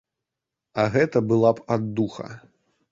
А гэта была б аддуха.